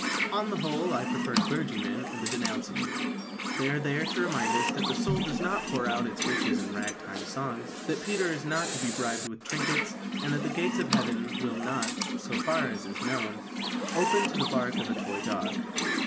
On the whole I prefer clergymen in the denouncing mood. They are there to remind us that the soul does not pour out its riches in rag time songs, that Peter is not to be bribed with trinkets, and that the gates of Heaven will not so far as is known open to the bark of a toy dog.